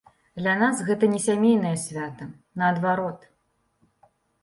Для нас гэта не сямейнае свята, наадварот.